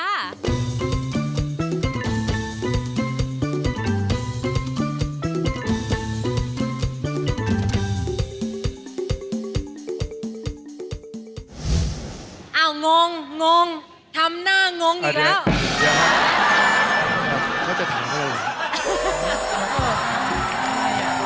อ้าวงงงงทำหน้างงอีกแล้ว